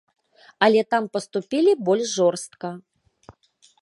Але там паступілі больш жорстка.